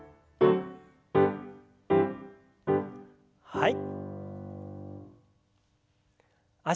はい。